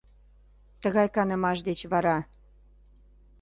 Тыгай канымаш деч вара